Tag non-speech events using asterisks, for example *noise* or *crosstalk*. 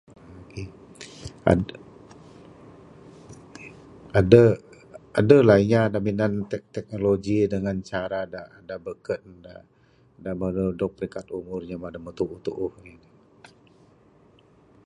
*unintelligible* adeh adeh la inya da minan tek teknologi minan cara da beken aaa da maru dog peringkat umur inya da meh tuuh tuuh nih.